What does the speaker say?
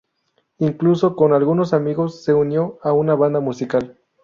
Incluso con algunos amigos, se unió a una banda musical.